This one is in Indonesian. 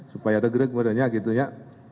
supaya regrek mudahnya gitu ya